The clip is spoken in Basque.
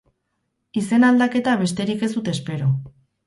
Izen aldaketa besterik ez dut espero.